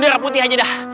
nih rap putih aja dah